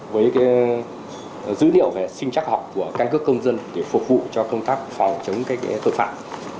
với dữ liệu về sinh chắc học của căn cước công dân để phục vụ cho công tác phòng chống tội phạm